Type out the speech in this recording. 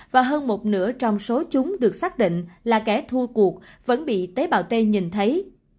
và hơn một nửa trong số chúng được xác định là kẻ thua cuộc vẫn bị tế bào t nhìn thấy